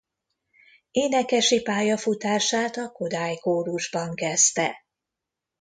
Énekesi pályafutását a Kodály Kórusban kezdte.